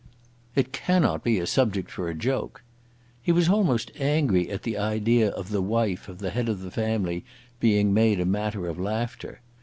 "It cannot be a subject for a joke." He was almost angry at the idea of the wife of the head of the family being made a matter of laughter.